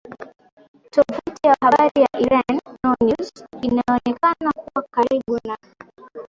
Tovuti ya habari ya Iran Nournews inayoonekana kuwa karibu na